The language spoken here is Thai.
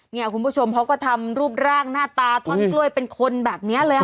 คุณผู้ชมเขาก็ทำรูปร่างหน้าตาท่อนกล้วยเป็นคนแบบนี้เลยค่ะ